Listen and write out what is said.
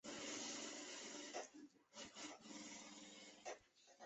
深绿细辛为马兜铃科细辛属下的一个变种。